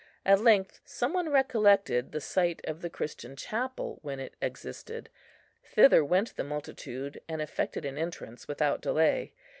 At length some one recollected the site of the Christian chapel, when it existed; thither went the multitude, and effected an entrance without delay.